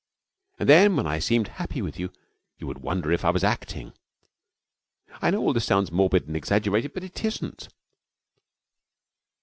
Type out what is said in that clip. And then when I seemed happy with you, you would wonder if I was acting. I know all this sounds morbid and exaggerated, but it isn't.